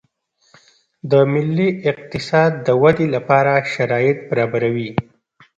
د ملي اقتصاد د ودې لپاره شرایط برابروي